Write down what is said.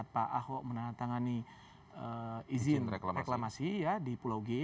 pak ahok menandatangani izin reklamasi di pulau g